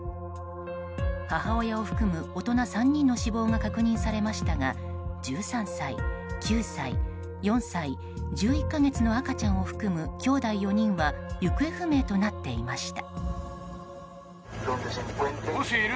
母親を含む大人３人の死亡が確認されましたが１３歳、９歳、４歳１１か月の赤ちゃんを含むきょうだい４人は行方不明となっていました。